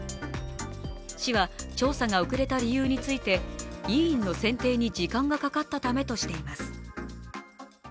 市は調査が遅れた理由について委員の選定に時間がかかったためとしています